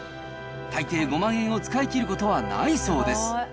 大抵５万円を使い切ることはないそうです。